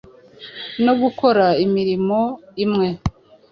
no gukora imirimo imwe